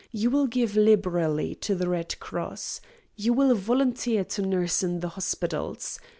You will give liberally to the Red Cross. You will volunteer to nurse in the hospitals.